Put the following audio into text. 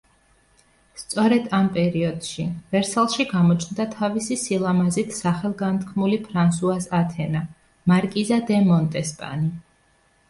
სწორედ ამ პერიოდში, ვერსალში გამოჩნდა თავისი სილამაზით სახელგანთქმული ფრანსუაზ ათენა, მარკიზა დე მონტესპანი.